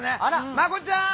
まこちゃん！